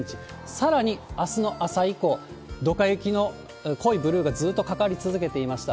さらにあすの朝以降、ドカ雪の濃いブルーがずーっとかかり続けていました。